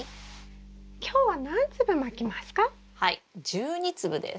１２粒です。